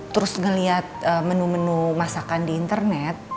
terus ngelihat menu menu masakan di internet